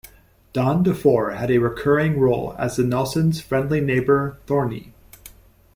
Don DeFore had a recurring role as the Nelsons' friendly neighbor "Thorny".